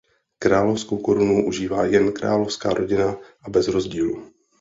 Královskou korunu užívá jen královská rodina a bez rozdílů.